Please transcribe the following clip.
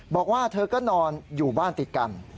บอกว่าเธอก็นอนอยู่บ้านติดกัน